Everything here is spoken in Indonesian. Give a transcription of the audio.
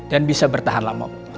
dan bisa bertahan lama